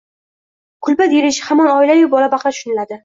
Kulba deyilishi hamon oilayu bola-baqra tushuniladi.